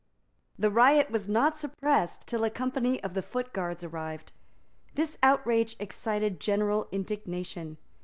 The riot was not suppressed till a company of the Foot Guards arrived. This outrage excited general indignation.